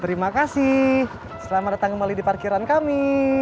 terima kasih selamat datang kembali di parkiran kami